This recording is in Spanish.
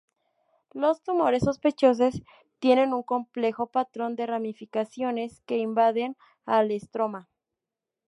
Los tumores sospechosos tienen un complejo patrón de ramificaciones que invaden al estroma.